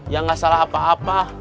ya gak salah apa apa